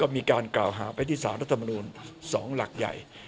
มีการกล่าวหาไปที่สารรัฐมนูล๒หลักใหญ่